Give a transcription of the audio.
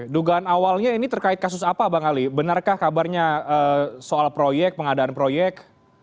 dugaan awalnya ini terkait kasus apa bang ali benarkah kabarnya soal proyek pengadaan proyek